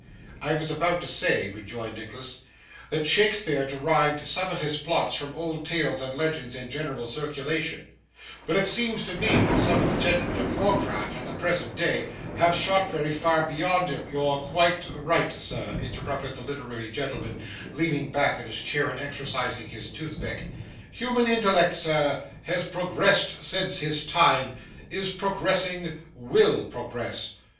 'I was about to say,' rejoined Nicholas, 'that Shakespeare derived some of his plots from old tales and legends in general circulation; but it seems to me, that some of the gentlemen of your craft, at the present day, have shot very far beyond him ' 'You're quite right, sir,' interrupted the literary gentleman, leaning back in his chair and exercising his toothpick. 'Human intellect, sir, has progressed since his time, is progressing, will progress.